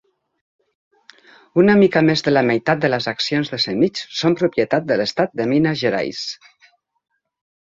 Una mica més de la meitat de les accions de Cemig són propietat de l'estat de Minas Gerais.